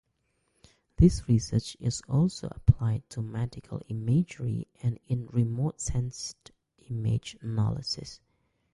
This research is also applied to medical imagery and in remotely–sensed image analysis.